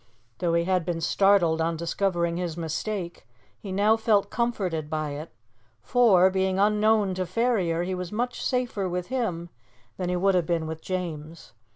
Though he had been startled on discovering his mistake, he now felt comforted by it, for, being unknown to Ferrier, he was much safer with him than he would have been with James.